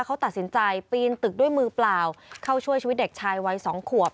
เขาตัดสินใจปีนตึกด้วยมือเปล่าเข้าช่วยชีวิตเด็กชายวัยสองขวบ